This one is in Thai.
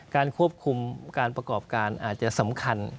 การควบคุมการประกอบการอาจจะสำคัญ